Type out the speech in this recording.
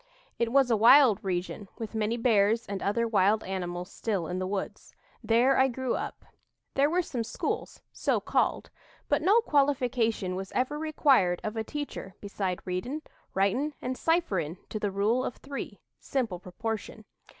It was a wild region with many bears and other wild animals still in the woods. There I grew up. There were some schools, so called; but no qualification was ever required of a teacher beside readin', writin', and cipherin' to the Rule of Three (simple proportion).